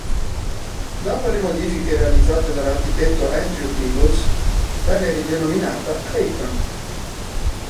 Dopo le modifiche realizzate dall'architetto Andrew Peebles, venne ridenominata "Clayton".